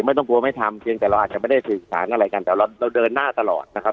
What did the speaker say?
ไม่ต้องกลัวไม่ทำเพียงแต่เราอาจจะไม่ได้สื่อสารอะไรกันแต่เราเดินหน้าตลอดนะครับ